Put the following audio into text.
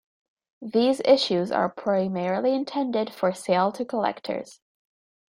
These issues are primarily intended for sale to collectors.